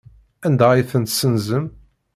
Anda ay tent-tessenzem?